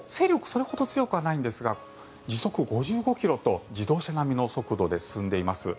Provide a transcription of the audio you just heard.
それほど強くはないんですが時速５５ｋｍと自動車並みの速度で進んでいます。